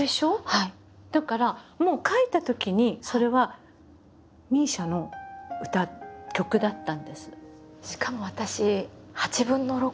だからもう書いたときにそれはＭＩＳＩＡの歌曲だったんです。